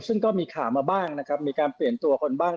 ซึ่งก็มีข่าวมาบ้างนะครับมีการเปลี่ยนตัวคนบ้าง